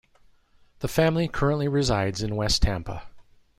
The family currently resides in West Tampa.